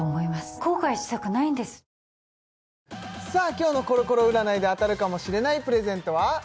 今日のコロコロ占いで当たるかもしれないプレゼントは？